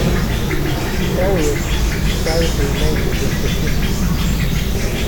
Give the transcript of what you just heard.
Elric decided to remain with the team.